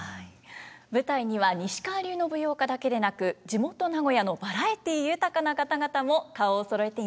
舞台には西川流の舞踊家だけでなく地元名古屋のバラエティー豊かな方々も顔をそろえています。